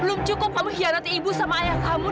belum cukup kamu hianati ibu sama ayah kamu